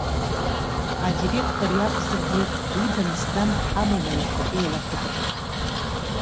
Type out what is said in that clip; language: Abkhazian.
Адиректор иакәзаргьы, идам-здам дҳамоума иахьатәиала ақыҭаҿы?